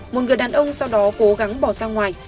một người đàn ông sau đó cố gắng bỏ ra ngoài